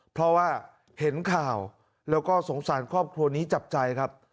เพราะว่าเห็นข่าวแล้วก็สงสารครอบครัวนี้จับใจครับ